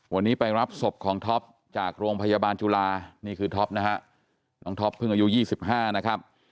วันนี้ไปรับศพของท็อปจากโรงพยาบาลจุฬานี่คือท็อปนะฮะน้องท็อปเพิ่งอายุ๒๕นะครับ